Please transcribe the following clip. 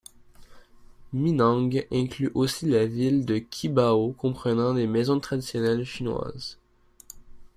Minhang inclus aussi la ville de Qibao comprenant des maisons traditionnelles Chinoises.